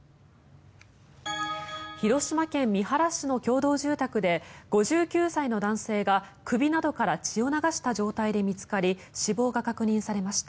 広島県三原市の共同住宅で５９歳の男性が首などから血を流した状態で見つかり死亡が確認されました。